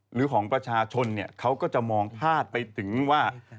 หรือของประชาชนเขาก็จะมองพลาดไปถึงว่า